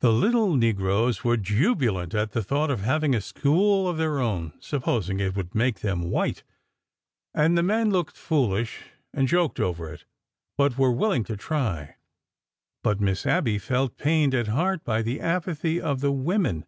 The little negroes were jubilant at the thought of hav ing a school of their own, supposing it would make them white; and the men looked foolish and joked over it, but were willing to try. But Miss Abby felt pained at heart by the apathy of the women.